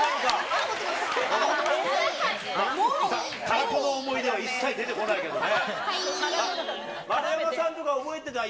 たらこの思い出は一切出てこないけどね。